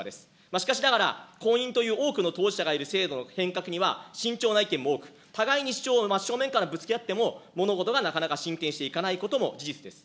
しかしながら婚姻という多くの当事者がいる制度の変革には、慎重な意見も多く、互いの主張を正面からぶつけ合っても物事がなかなか進展していかないことも事実です。